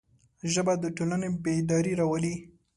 ژبه د ټولنې بیداري راولي